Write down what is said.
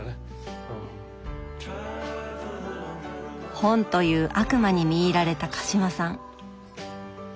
本という悪魔に魅入られた鹿島さん。